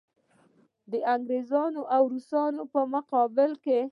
د انګریز او روس په مقابل کې.